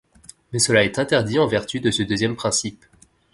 Mais cela est interdit en vertu de ce deuxième principe.